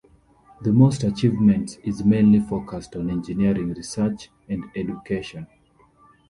The most achievements is mainly focused on the engineering research and education.